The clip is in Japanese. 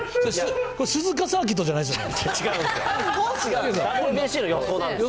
鈴鹿サーキットじゃないですよね。